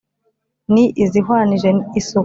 ni izihwanije isuku